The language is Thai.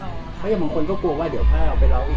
เพราะอย่างบางคนก็กลัวว่าเดี๋ยวถ้าเราไปร้องอีก